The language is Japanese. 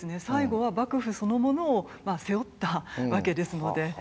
最後は幕府そのものを背負ったわけですので。